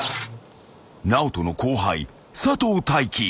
［ＮＡＯＴＯの後輩佐藤大樹］